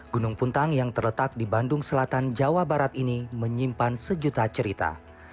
gunung puntang yang terletak di bandung selatan jawa barat ini menyimpan sejuta cerita